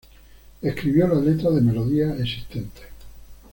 Escribió la letra de melodías existentes.